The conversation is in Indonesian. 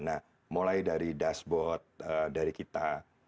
nah mulai dari dashboard dari kita